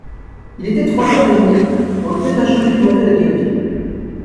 Il était trois heures et demie, on devait achever de monter la guillotine.